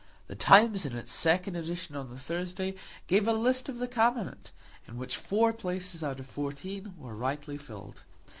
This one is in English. The Times, in its second edition on the Thursday, gave a list of the Cabinet, in which four places out of fourteen were rightly filled.